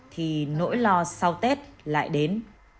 thì nỗi lo sau tết lại đến